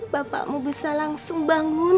bapakmu besar langsung bangun